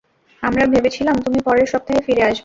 আমরা ভেবেছিলাম তুমি পরের সপ্তাহে ফিরে আসবে।